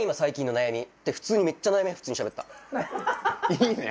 いいね！